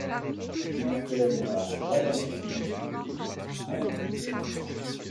Il enseigne à la Royal Academy of Music, à Londres.